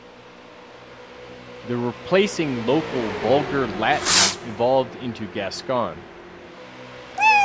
The replacing local vulgar Latin evolved into Gascon.